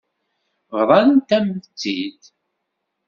Bḍant-am-tt-id.